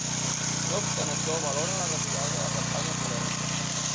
No obstant això, valoren la retirada de la campanya polèmica.